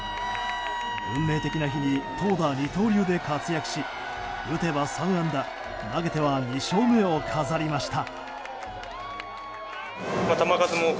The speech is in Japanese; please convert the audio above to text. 運命的な日に投打二刀流で活躍し打てば３安打投げては２勝目を飾りました。